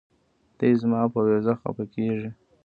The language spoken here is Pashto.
دے زما پۀ وېزه خفه کيږي